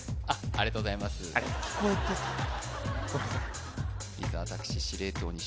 ありがとうございます伊沢拓司